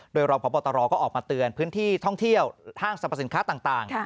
โดยรองพบตรก็ออกมาเตือนพื้นที่ท่องเที่ยวห้างสรรพสินค้าต่าง